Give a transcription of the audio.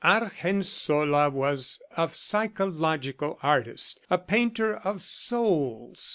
Argensola was a psychological artist, a painter of souls.